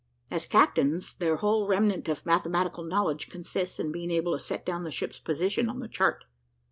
As captains, their whole remnant of mathematical knowledge consists in being able to set down the ship's position on the chart.